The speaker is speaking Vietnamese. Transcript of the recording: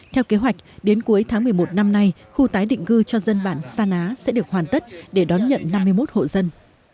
theo kế hoạch đến cuối tháng một mươi một năm nay khu tái định cư cho dân bản sa ná sẽ được hoàn tất để đón nhận năm mươi một hộ dân